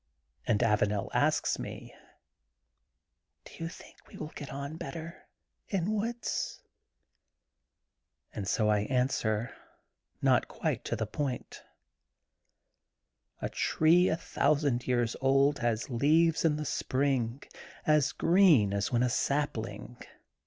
'' And Avanel asks me: Do you think we will get on better in woods ?*' And so I answer, not quite to the point: "A tree a thousand years old has leaves in the spring, as green as when a sapling.